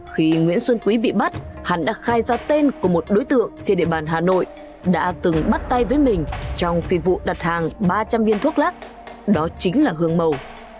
khi nguyễn xuân quý bị bắt hắn đã khai ra tên của một đối tượng trên địa bàn hà nội đã từng bắt tay với mình trong phi vụ đặt hàng ba trăm linh viên thuốc lắc đó chính là hương mầu